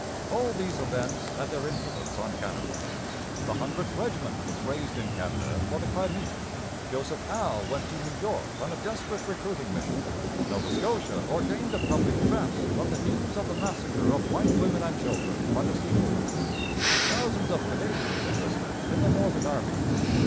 All these events had their influence on Canada. The 100th Regiment was raised in Canada for the Crimea. Joseph Howe went to New York on a desperate recruiting mission. Nova Scotia ordained a public fast on the news of the massacre of white women and children by the Sepoys. Thousands of Canadians enlisted in the Northern armies.